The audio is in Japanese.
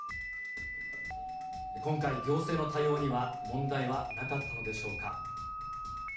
今回、行政の対応には問題はなかったのでしょうか。